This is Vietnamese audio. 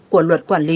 của luật quản lý